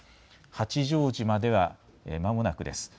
八丈島ではまもなくです。